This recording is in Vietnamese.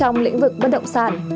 trong lĩnh vực bất động sản